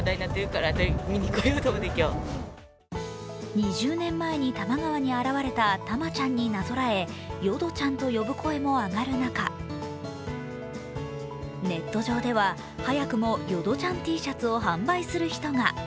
２０年前に多摩川に現れたタマちゃんになぞらえヨドちゃんと呼ぶ声も上がる中、ネット上では、早くもヨドちゃんＴシャツを販売する人が。